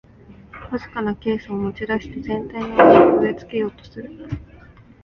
わずかなケースを持ちだして全体の印象を植え付けようとする